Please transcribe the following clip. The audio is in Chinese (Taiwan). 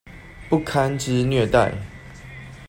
不堪之虐待